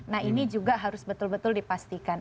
nah ini juga harus betul betul dipastikan